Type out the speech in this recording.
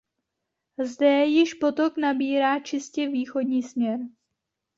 Zde již potok nabírá čistě východní směr.